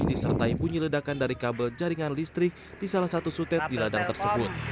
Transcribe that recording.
disertai bunyi ledakan dari kabel jaringan listrik di salah satu sutet di ladang tersebut